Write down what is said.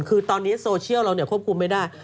คือตอนนี้โซเชียลเราควบคุมไม่ได้